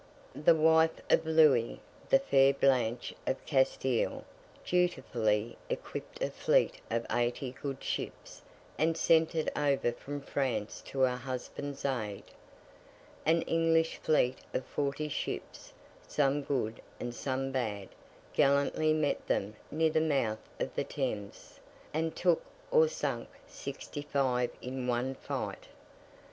The wife of Louis, the fair Blanche of Castile, dutifully equipped a fleet of eighty good ships, and sent it over from France to her husband's aid. An English fleet of forty ships, some good and some bad, gallantly met them near the mouth of the Thames, and took or sunk sixty five in one fight.